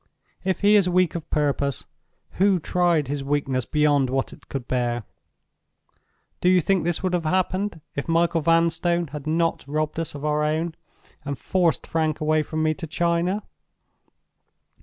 If he is weak of purpose, who tried his weakness beyond what it could bear? Do you think this would have happened if Michael Vanstone had not robbed us of our own, and forced Frank away from me to China?